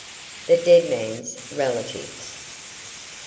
THE DEAD MAN'S RELATIVES.